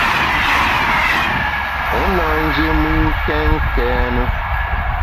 U na nji mùn kèn kène.